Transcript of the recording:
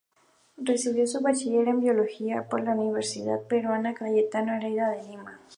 Recibió su Bachiller en biología por la Universidad Peruana Cayetano Heredia en Lima.